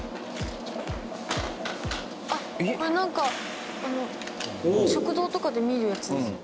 あっこれなんか食堂とかで見るやつですよね。